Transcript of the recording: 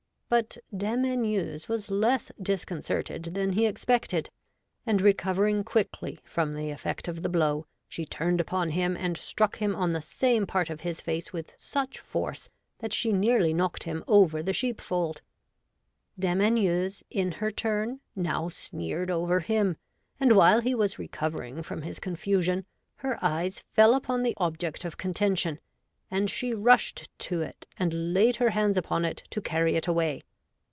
But Dame Anieuse was less disconcerted than he ex ii6 REVOLTED WOMAN. pected, and recovering quickly from the effect of the blow, she turned upon him and struck him on the same part of his face with such force, that she nearly knocked him over the sheepfold. Dame Anieuse, in her turn, now sneered over him, and while he was recovering from his confusion, her eyes fell upon the object of contention, and she rushed to it, and laid her hands upon it to carry it away.